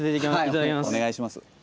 はいお願いします。